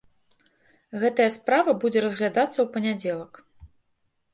Гэтая справа будзе разглядацца ў панядзелак.